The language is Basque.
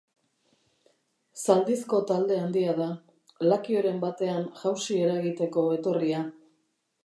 Zaldizko talde handia da, lakioren batean jausi eragiteko etorria.